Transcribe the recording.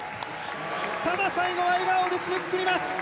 ただ、最後は笑顔で締めくくります